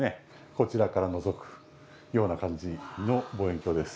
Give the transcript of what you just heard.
こちらからのぞくような感じの望遠鏡です。